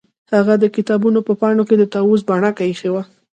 هغه د کتابونو په پاڼو کې د طاووس بڼکه ایښې وه